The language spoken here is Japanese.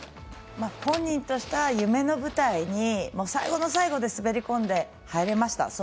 本人としては夢の舞台に最後の最後で滑り込んで入れました。